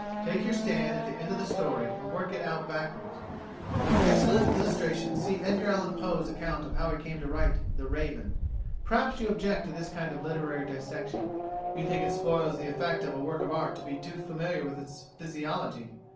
Take your stand at the end of the story, and work it out backwards. For an excellent illustration see Edgar Allan Poe's account of how he came to write "The Raven" (Appendix I.). Perhaps you object to this kind of literary dissection? You think it spoils the effect of a work of art to be too familiar with its physiology?